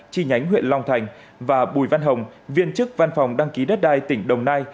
chi nhánh huyện long thành và bùi văn hồng viên chức văn phòng đăng ký đất đai tỉnh đồng nai